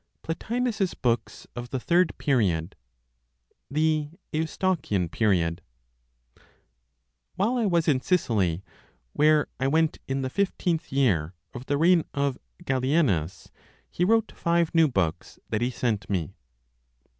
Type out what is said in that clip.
PLOTINOS'S BOOKS OF THE THIRD PERIOD (THE EUSTOCHIAN PERIOD). While I was in Sicily, where I went in the fifteenth year of the reign of Gallienus, he wrote five new books that he sent me: 46.